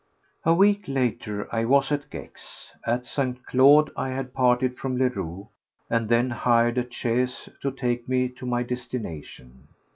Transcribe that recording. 2. A week later I was at Gex. At St. Claude I had parted from Leroux, and then hired a chaise to take me to my destination.